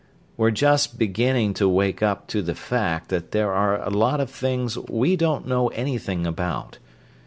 "We're just beginning to wake up to the fact that there are a lot of things we don't know anything about.